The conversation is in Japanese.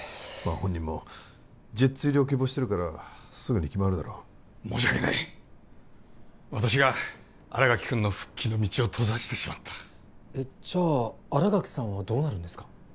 あ本人もジェッツ入りを希望してるからすぐに決まるだろう申し訳ない私が新垣君の復帰の道を閉ざしてしまったえっじゃあ新垣さんはどうなるんですか？